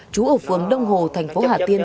trú ở phường đông hồ thành phố hà tiên